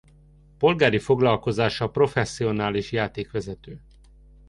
Polgári foglalkozása professzionális játékvezető.